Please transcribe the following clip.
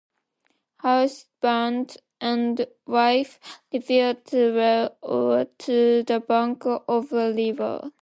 Husband and wife repair to a well or to the bank of a river.